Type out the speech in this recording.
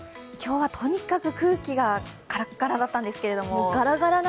今日はとにかく空気がカラッカラだったんですけれども。